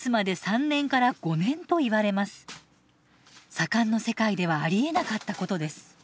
左官の世界ではありえなかったことです。